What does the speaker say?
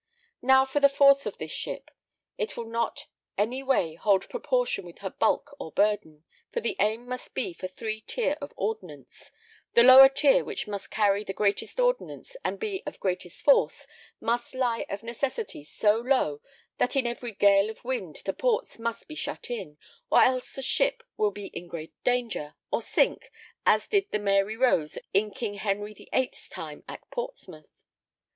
Now for the force of this ship; it will not any way hold proportion with her bulk or burden, for the aim must be for three tier of ordnance, the lower tier which must carry the greatest ordnance and be of greatest force must lie of necessity so low that in every gale of wind the ports must be shut in, or else the ship will be in great danger, or sink as did the Mary Rose in King Henry the VIII's time at Portsmouth.